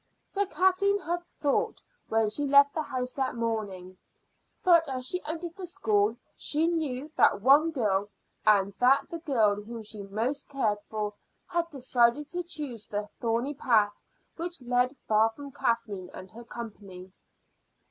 So Kathleen had thought when she left the house that morning; but as she entered the school she knew that one girl, and that the girl whom she most cared for, had decided to choose the thorny path which led far from Kathleen and her company.